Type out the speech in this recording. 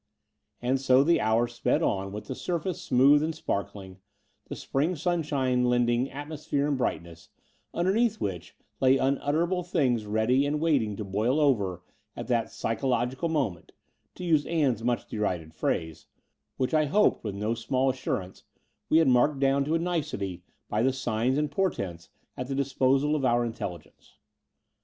And so the hours sped on with the surface smooth and sparkling, the spring sunshine lending atmosphere and brightness, tmdemeath which lay unutterable things ready and waiting to boil over at that psychological moment — to use Ann's much derided phrase — which I hoped, with no small assurance, we had marked down to a nicety by the signs and portents at the disposal of our ^intelligence.